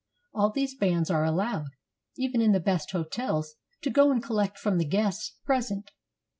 All these bands are allowed, even in the best hotels, to go and collect from the guests pres ent.